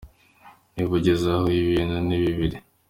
Niba ugeze aho ibintu ni bibiri:.